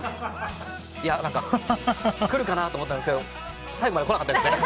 いや来るかなと思ったんですが最後まで来なかったですね。